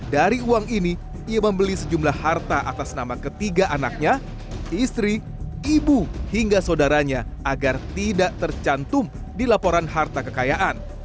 dari uang ini ia membeli sejumlah harta atas nama ketiga anaknya istri ibu hingga saudaranya agar tidak tercantum di laporan harta kekayaan